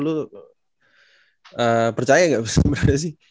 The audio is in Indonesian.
lu percaya gak sebenernya sih